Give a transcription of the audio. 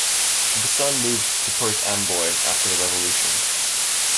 The son moved to Perth Amboy after the Revolution.